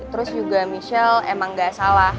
terus juga michelle emang gak salah